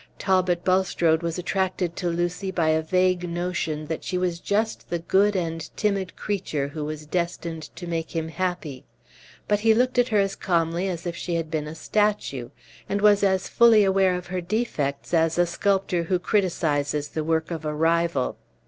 Talbot Bulstrode was attracted to Lucy by a vague notion that she was just the good and timid creature who was destined to make him happy; but he looked at her as calmly as if she had been a statue, and was as fully aware of her defects as a sculptor who criticises the work of a rival.